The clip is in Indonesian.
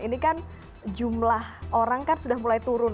ini kan jumlah orang kan sudah mulai turun